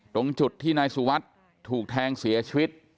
ตรงจุดที่นายสุวัสดิ์ถูกแทงเสียชีวิต